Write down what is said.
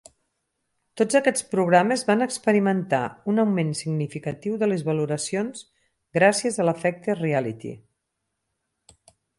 Tots aquests programes van experimentar un augment significatiu de les valoracions gràcies a "l'efecte reality".